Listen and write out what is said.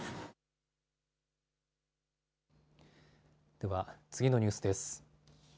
では、次のニュースです。